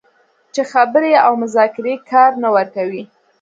چې خبرې او مذاکرې کار نه ورکوي